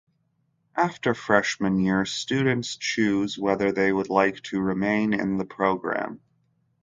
After freshmen year, students choose whether they would like to remain in the program.